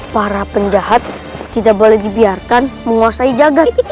para penjahat tidak boleh dibiarkan menguasai jagad